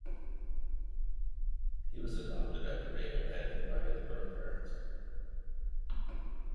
He was adopted after being abandoned by his birth parents.